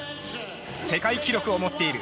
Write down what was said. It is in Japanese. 世界記録を持っている。